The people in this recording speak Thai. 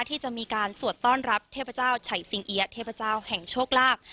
ที่จะมีการสวดต้อนรับเทพเจ้าไฉสิงเอี๊ยเทพเจ้าแห่งโชคลาภ